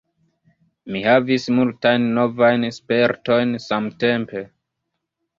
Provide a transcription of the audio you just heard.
Mi havis multajn novajn spertojn samtempe.